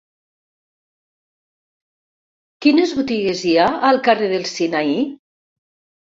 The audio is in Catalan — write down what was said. Quines botigues hi ha al carrer del Sinaí?